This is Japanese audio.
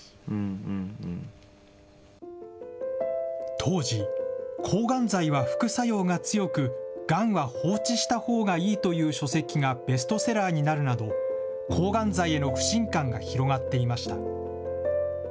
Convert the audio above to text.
当時、抗がん剤は副作用が強く、がんは放置したほうがいいという書籍がベストセラーになるなど、抗がん剤への不信感が広がっていました。